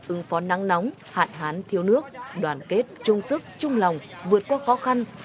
ứng phó nắng nóng hạn hán thiếu nước đoàn kết trung sức trung lòng vượt qua khó khăn